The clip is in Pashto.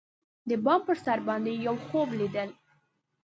د بام پر سر باندی یوخوب لیدل